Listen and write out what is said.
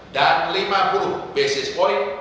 dan lima puluh basis point